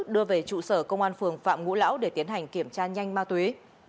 đưa về trụ sở công an phường phạm hữu lão để tiến hành kiểm tra nhanh ma tuế